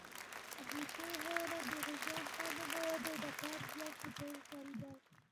اهلي شوي حیوانات د غذا، خامو موادو او د کار ځواک په توګه کارېدل.